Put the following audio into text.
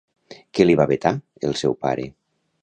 Què li va vetar el seu pare?